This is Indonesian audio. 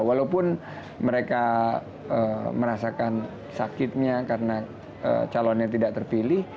walaupun mereka merasakan sakitnya karena calonnya tidak terpilih